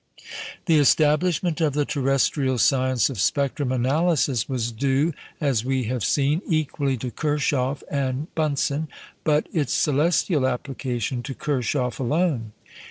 The establishment of the terrestrial science of spectrum analysis was due, as we have seen, equally to Kirchhoff and Bunsen, but its celestial application to Kirchhoff alone.